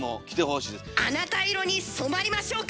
あなた色に染まりましょうか？